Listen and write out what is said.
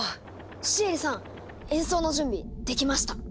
シエリさん演奏の準備できました。